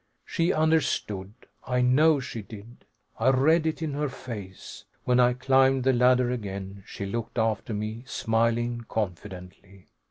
She understood, I know she did. I read it in her face. When I climbed the ladder again, she looked after me, smiling confidently.